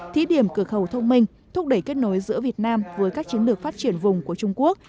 thí điểm cửa khẩu thông minh thúc đẩy kết nối giữa việt nam với các chiến lược phát triển vùng của trung quốc